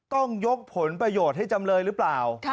ต้องยกผลประโยชน์ให้จำเลยหรือเปล่า